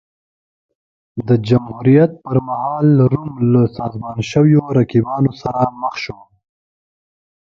د جمهوریت پرمهال روم له سازمان شویو رقیبانو سره مخ شو